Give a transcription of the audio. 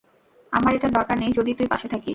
আমার এটার দরকার নেই, যদি তুই পাশে থাকিস।